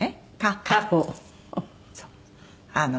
そう。